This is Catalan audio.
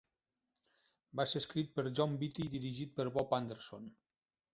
Va ser escrit per Jon Vitti i dirigit per Bob Anderson.